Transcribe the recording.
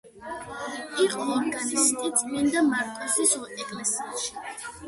იყო ორგანისტი წმინდა მარკოზის ეკლესიაში.